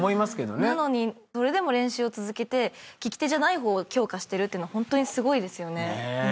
なのにそれでも練習を続けて利き手じゃない方を強化してるっていうのホントにすごいですよね。